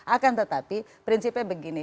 akan tetapi prinsipnya begini